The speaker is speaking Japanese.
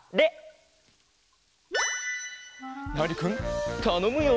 ナーニくんたのむよ。